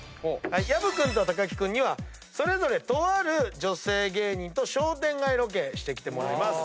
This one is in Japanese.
薮君と木君にはそれぞれとある女性芸人と商店街ロケしてきてもらいます。